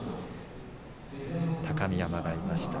高見山がいました。